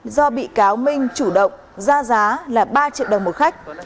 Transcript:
do bị cáo minh chủ động ra giá là ba triệu đồng một khách